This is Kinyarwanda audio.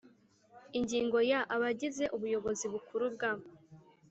Ingingo ya abagize ubuyobozi bukuru bwa